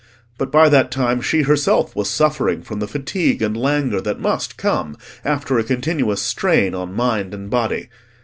But by that time she herself was suffering from the fatigue and languor that must come after a continuous strain on mind and body.